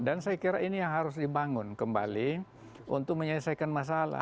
dan saya kira ini yang harus dibangun kembali untuk menyelesaikan masalah